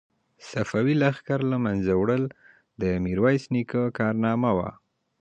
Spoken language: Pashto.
د صفوي لښکر له منځه وړل د میرویس نیکه کارنامه وه.